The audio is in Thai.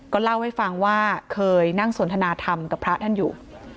เล่าให้ฟังว่าเคยนั่งสนทนาธรรมกับพระท่านอยู่